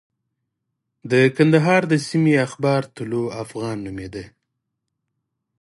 د کندهار د سیمې اخبار طلوع افغان نومېده.